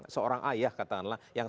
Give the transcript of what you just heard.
seorang ayah katakanlah yang